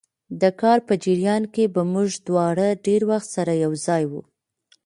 د کار په جریان کې به موږ دواړه ډېر وخت سره یو ځای وو.